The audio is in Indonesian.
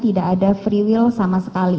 tapi kalau kita tidak ada free will sama sekali